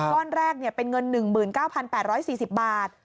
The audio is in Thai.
ก้อนแรกเป็นเงิน๑๙๘๔๐บาท